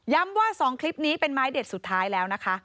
ว่า๒คลิปนี้เป็นไม้เด็ดสุดท้ายแล้วนะคะ